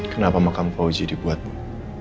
kenapa makam fauzi dibuat bu